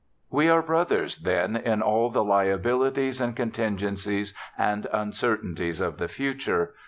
We are brothers, then, in all the liabilities and con tingencies and uncertainties of the future.